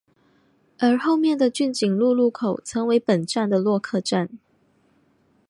而后面的骏景路路口曾为本站的落客站。